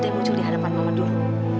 jangan kecil dihadapan mama dulu